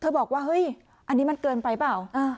บอกว่าเฮ้ยอันนี้มันเกินไปเปล่า